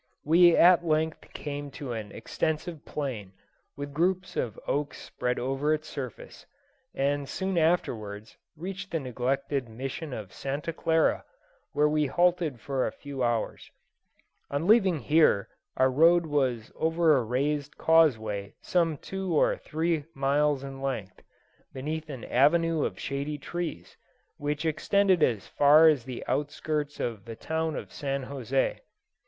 We at length came to an extensive plain, with groups of oaks spread over its surface, and soon afterwards reached the neglected Mission of Santa Clara, where we halted for a few hours. On leaving here our road was over a raised causeway some two or three miles in length, beneath an avenue of shady trees, which extended as far as the outskirts of the town of St. José.